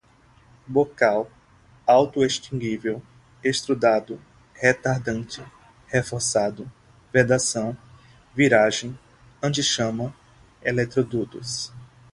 bocal, autoextinguível, extrudado, retardante, reforçado, vedação, viragem, antichama, eletrodutos